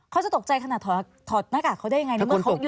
เขาจะตกใจขนาดถอดหน้ากากเขาได้ยังไง